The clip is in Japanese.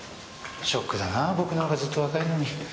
ショックだなぁ僕の方がずっと若いのに。